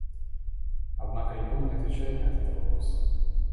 Однако Лебон не отвечает на этот вопрос.